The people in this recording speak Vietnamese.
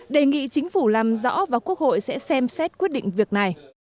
đề nghị chính phủ làm rõ và quốc hội sẽ xem xét quyết định việc này